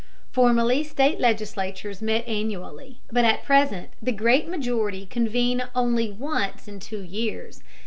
Formerly state legislatures met annually, but at present the great majority convene only once in two years.